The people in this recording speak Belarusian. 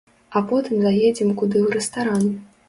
А потым заедзем куды ў рэстаран.